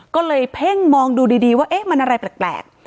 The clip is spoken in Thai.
ก็เลยเพ่งมองดูดีว่าเอ๊ะมันอะไรแปลก